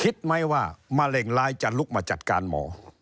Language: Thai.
คิดไหมว่ามะเร็งร้ายจะลุกมาจัดการหมอ